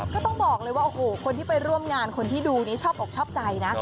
ก็ต้องบอกเลยว่าโอ้โหคนที่ไปร่วมงานคนที่ดูนี่ชอบอกชอบใจนะ